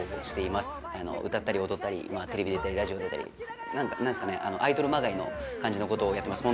歌ったり踊ったりテレビ出たりラジオ出たりなんですかねアイドルまがいの感じの事をやってます。